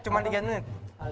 cuma tiga menit